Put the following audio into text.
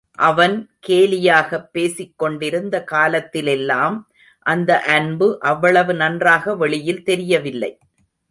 அவன் கேலியாகப் பேசிக் கொண்டிருந்த காலத்திலெல்லாம் அந்த அன்பு அவ்வளவு நன்றாக வெளியில் தெரியவில்லை.